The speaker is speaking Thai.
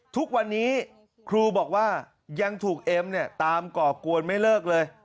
ทุกวันนี้ครูบอกว่ายังถูกเอ็มเนี่ยตามก่อกวนไม่เลิกเลย